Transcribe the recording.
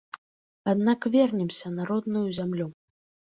Аднак вернемся на родную зямлю.